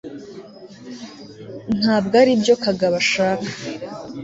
ntabwo aribyo kagabo ashaka